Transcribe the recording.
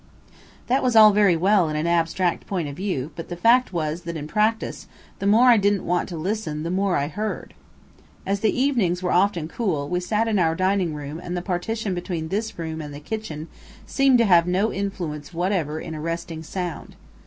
That was all very well in an abstract point of view; but the fact was, that in practice, the more I didn't want to listen, the more I heard. As the evenings were often cool, we sat in our dining room, and the partition between this room and the kitchen seemed to have no influence whatever in arresting sound.